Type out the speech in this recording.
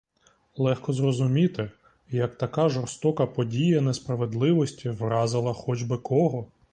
Легко зрозуміти, як така жорстока подія несправедливості вразила хоч би кого.